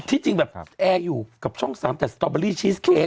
ที่จริงแบบแอร์อยู่กับช่องสร้างจากสตรอบเบอร์รี่ชีสเค้กอ่ะ